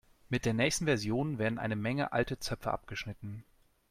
Mit der nächsten Version werden eine Menge alte Zöpfe abgeschnitten.